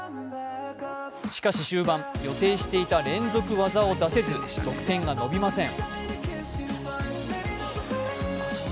しかし終盤、予定していた連続技を出せず、得点が伸びません。